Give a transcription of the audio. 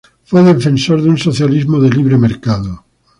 Fue defensor de un socialismo de libre mercado.